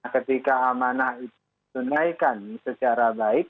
ketika amanah itu ditunaikan secara baik